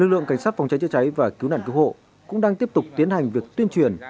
lực lượng cảnh sát phòng cháy chữa cháy và cứu nạn cứu hộ cũng đang tiếp tục tiến hành việc tuyên truyền